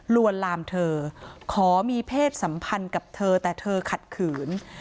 ลวนลามเธอขอมีเพศสัมพันธ์กับเธอแต่เธอขัดขืน